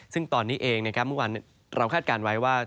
ซึ่งตอนนี้เองเมื่อวานเราคาดการณ์ไว้ว่า